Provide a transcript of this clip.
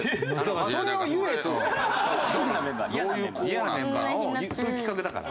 嫌なメンバーをそういう企画だから。